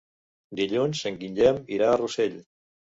Dilluns en Guillem irà a Rossell.